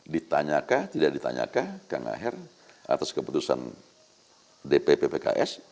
ditanyakah tidak ditanyakah kang aher atas keputusan dpp pks